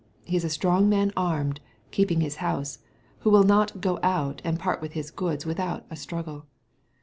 He is a strong man armed^ keeping his house, who will not " go out," and part with his goods without a struggle.